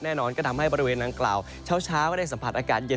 แน่นอนก็ทำให้บริเวณดังกล่าวเช้าได้สัมผัสอากาศเย็น